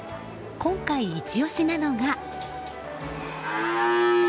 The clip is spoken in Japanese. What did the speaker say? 今回、イチ押しなのが。